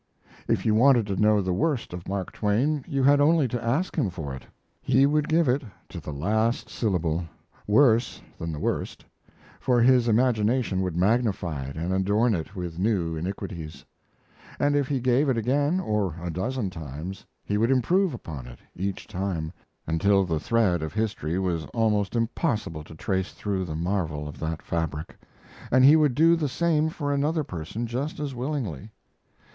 If you wanted to know the worst of Mark Twain you had only to ask him for it. He would give it, to the last syllable worse than the worst, for his imagination would magnify it and adorn it with new iniquities, and if he gave it again, or a dozen times, he would improve upon it each time, until the thread of history was almost impossible to trace through the marvel of that fabric; and he would do the same for another person just as willingly.